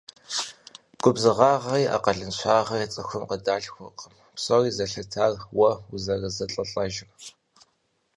Губзыгъагъри акъылыншагъри цӀыхум къыдалъхуркъым, псори зэлъытар уэ узэрызэлӀэлӀэжырщ.